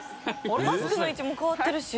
マスクの位置も変わってるし。